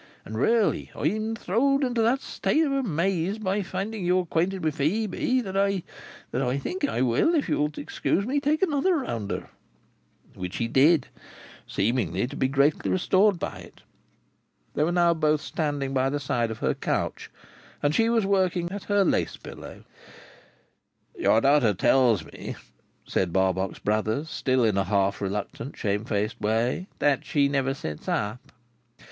"And really, I am throwed into that state of amaze by finding you brought acquainted with Phœbe, that I—that I think I will, if you'll excuse me, take another rounder." Which he did, seeming to be greatly restored by it. They were now both standing by the side of her couch, and she was working at her lace pillow. "Your daughter tells me," said Barbox Brothers, still in a half reluctant shamefaced way, "that she never sits up."